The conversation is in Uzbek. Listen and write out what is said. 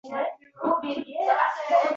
Mattanidek otlarni parvarishlash serg`alva ish